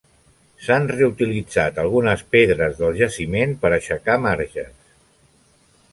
S'han reutilitzat algunes pedres del jaciment per aixecar marges.